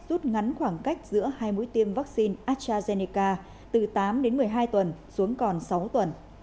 rút ngắn khoảng cách giữa hai mũi tiêm vaccine astrazeneca từ tám đến một mươi hai tuần xuống còn sáu tuần